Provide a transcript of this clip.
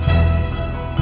saya akan mencari